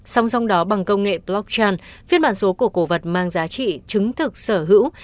song song đó bằng công nghệ blockchain phiên bản số của cổ vật mang giá trị chứng thực sở hữu